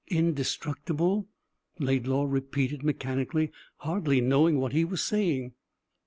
"Indestructible," Laidlaw repeated mechanically, hardly knowing what he was saying.